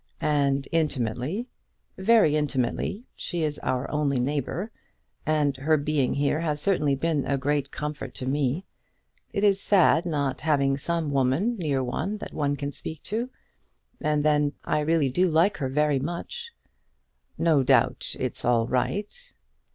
"And intimately?" "Very intimately. She is our only neighbour; and her being here has certainly been a great comfort to me. It is sad not having some woman near one that one can speak to; and then, I really do like her very much." "No doubt it's all right."